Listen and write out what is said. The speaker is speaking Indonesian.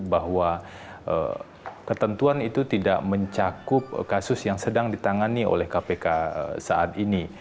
bahwa ketentuan itu tidak mencakup kasus yang sedang ditangani oleh kpk saat ini